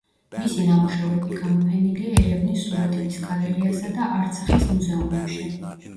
მისი ნამუშევრები გამოფენილია ერევნის სურათების გალერეასა და არცახის მუზეუმებში.